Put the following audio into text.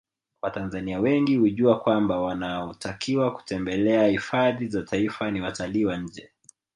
Watanzania wengi hujua kwamba wanaotakiwa kutembelea hifadhi za Taifa ni watalii wa nje